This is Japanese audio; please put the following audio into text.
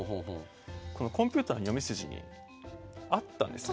このコンピューターの読み筋にあったんですよね。